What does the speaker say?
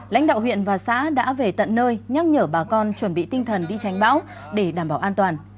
lãnh đạo huyện và xã đã về tận nơi nhắc nhở bà con chuẩn bị tinh thần đi tránh bão để đảm bảo an toàn